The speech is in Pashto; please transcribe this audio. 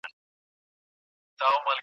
هر قوم خپله ژبه او کلتور لري.